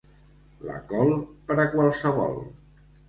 La col, per a qualsevol.